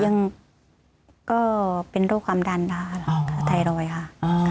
ยังก็เป็นรูปความดันได้ไทยโดยค่ะ